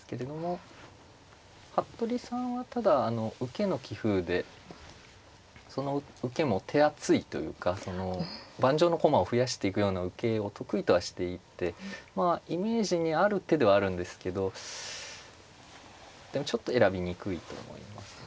服部さんはただ受けの棋風でその受けも手厚いというか盤上の駒を増やしていくような受けを得意とはしていてまあイメージにある手ではあるんですけどでもちょっと選びにくいと思いますね。